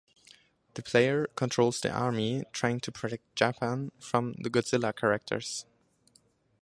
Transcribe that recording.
The player controls the Army, trying to protect Japan from the Godzilla characters.